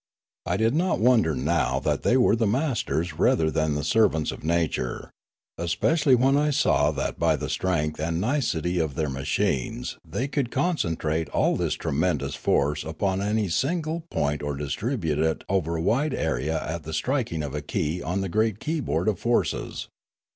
I did not wonder now that they were the masters rather than the servants of nature, especially when I saw that by the strength and nicety of their machines they could con centrate all this tremendous force upon any single point or distribute it over a wide area at the striking of a key on the great key board of forces.